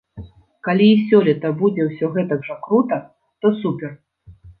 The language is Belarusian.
Калі і сёлета будзе ўсё гэтак жа крута, то супер.